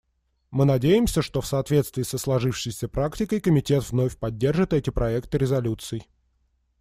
Мы надеемся, что в соответствии со сложившейся практикой Комитет вновь поддержит эти проекты резолюций.